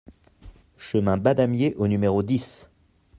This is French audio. Chemin Badamier au numéro dix